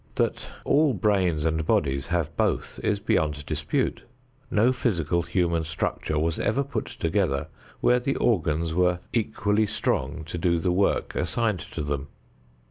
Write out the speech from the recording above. That all brains and bodies have both is beyond dispute. No physical human structure was ever put together where the organs were equally strong to do the work assigned to them.